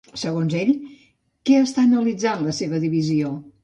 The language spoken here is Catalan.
Segons ell, què està analitzant la seva divisió?